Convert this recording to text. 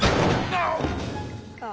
ああ。